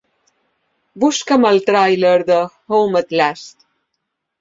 Busca'm el tràiler de Home at Last.